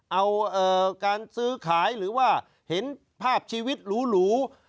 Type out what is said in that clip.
เอาการซื้อขายหรือว่าเห็นภาพชีวิตหรู